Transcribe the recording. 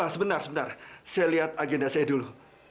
sebentar sebentar saya lihat agenda saya dulu